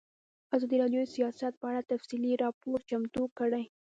ازادي راډیو د سیاست په اړه تفصیلي راپور چمتو کړی.